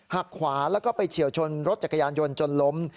ขวาแล้วก็ไปเฉียวชนรถจักรยานยนต์จนล้ม